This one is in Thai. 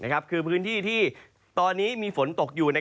คือพื้นที่ที่ตอนนี้มีฝนตกอยู่